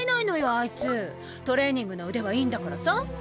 あいつトレーニングの腕はいいんだからさっ。